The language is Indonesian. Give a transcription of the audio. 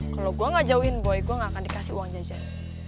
kalau gue gak jauhin boy gue gak akan dikasih uang jajan